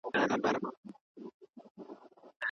ډاکټر مجاور احمد زیار د موضوع د مخيني په اړه خبري وکړې.